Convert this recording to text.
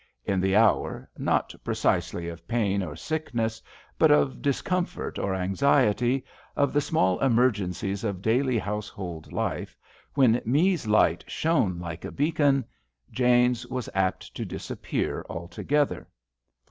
In the hour, not precisely of pain or sickness, but of discomfort or anxiety, of the small emergencies of daily household life, when Me's light shone like a beacon, Jane*s was apt to disappear altogether.